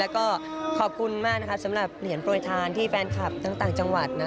ขอบคุณมากสำหรับเหลียญปล่อยทานที่แฟนคลับทั้งจังหวัด